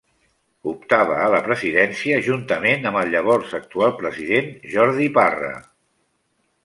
Optava a la presidència juntament amb el llavors actual president Jordi Parra.